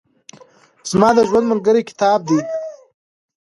زما د ژوند ملګری کتاب دئ.